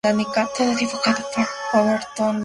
Todo dibujado por Overton Loyd.